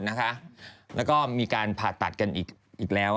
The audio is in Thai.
แล้วก็มีการผ่าตัดกันอีกแล้ว